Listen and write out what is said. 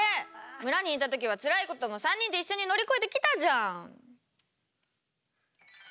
村にいた時はつらいことも３人で一緒に乗り越えてきたじゃん！